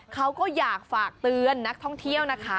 เขาก็อยากฝากเตือนนักท่องเที่ยวนะคะ